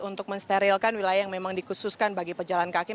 untuk mensterilkan wilayah yang memang dikhususkan bagi pejalan kaki